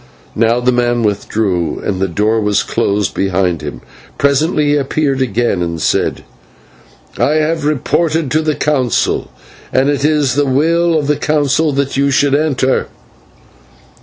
Now the man withdrew, and the door was closed behind him. Presently he appeared again and said: "I have reported to the Council, and it is the will of the Council that you should enter."